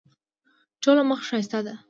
ټوله مخ ښایسته ده.